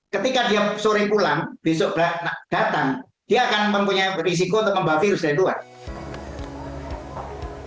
ketika dia sore pulang besok datang dia akan mempunyai risiko untuk membawa virus dari luar